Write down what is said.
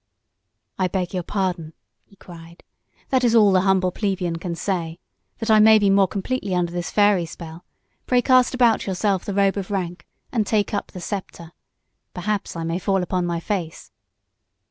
"I beg your pardon," he cried, "That is all the humble plebeian can say. That I may be more completely under this fairy spell, pray cast about yourself the robe of rank and take up the sceptre. Perhaps I may fall upon my face."